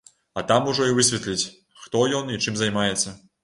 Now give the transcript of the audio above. А там ужо і высветліць, хто ён і чым займаецца.